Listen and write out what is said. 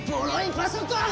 パソコン